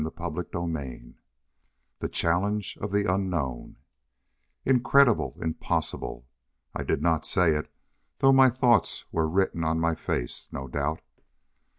CHAPTER II The Challenge of the Unknown Incredible! Impossible! I did not say it, though my thoughts were written on my face, no doubt.